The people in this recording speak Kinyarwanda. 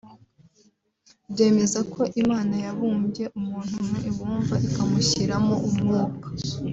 byemeza ko Imana yabumbye umuntu mu ibumba ikamushyiramo umwuka